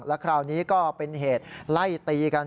แล้วคราวนี้ก็เป็นเหตุไล่ตีกัน